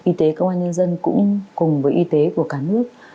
y tế công an nhân dân cũng cùng với y tế của cả nước